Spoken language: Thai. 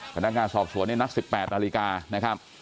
พนักงานสอบสวนเนี่ยนัด๑๘นาฬิกานะครับ